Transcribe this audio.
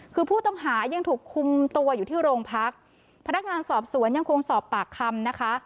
คือผู้ต้องหายังถูกคุมตัวอยู่ที่โรงพักพนักงานสอบสวนยังคงสอบปากคำนะคะ